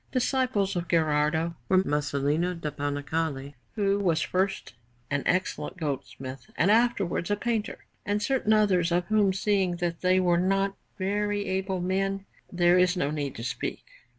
Disciples of Gherardo were Masolino da Panicale, who was first an excellent goldsmith and afterwards a painter, and certain others, of whom, seeing that they were not very able men, there is no need to speak.